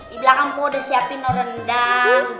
di belakang po udah siapin noh rendang